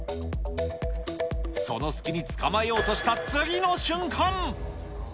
その隙に捕まえようとした次の瞬間。